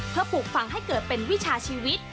เพื่อปลูกฝังให้เกิดเป็นวิชาชีวิต